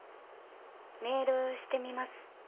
メールしてみます。